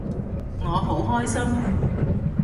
我好開心